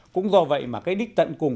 cũng do vậy mà cái đích tận cùng